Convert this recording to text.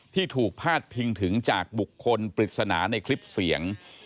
ที่ถูกพาดพิงถึงจากบุคคลปริศนาในคลิปเสียง